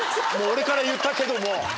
俺から言ったけども。